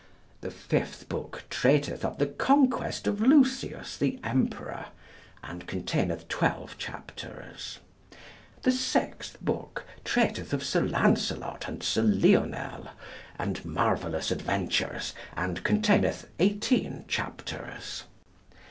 The fifth book treateth of the conquest of Lucius the emperor, and containeth 12 chapters. The sixth book treateth of Sir Lancelot and Sir Lionel, and marvellous adventures, and containeth 18 chapters.